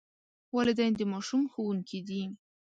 والدین د ماشوم ښوونکي دي.